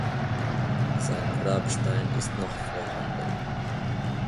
Sein Grabstein ist noch vorhanden.